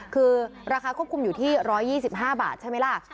คือราคาควบคุมอยู่ที่๑๒๕บาทใช่ไหมล่ะ